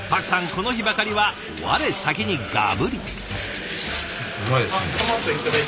この日ばかりは我先にガブリ。